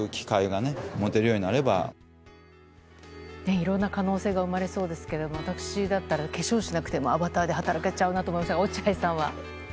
いろんな可能性が生まれそうですけど私だったら化粧しなくてもアバターで働けちゃうなと思いますが落合さんは？